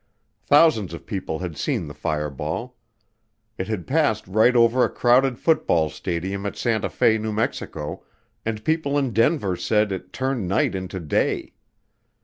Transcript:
Thousands of people had seen the fireball. It had passed right over a crowded football stadium at Santa Fe, New Mexico, and people in Denver said it "turned night into day."